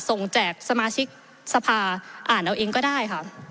แจกสมาชิกสภาอ่านเอาเองก็ได้ค่ะ